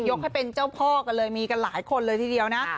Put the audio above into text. ให้เป็นเจ้าพ่อกันเลยมีกันหลายคนเลยทีเดียวนะ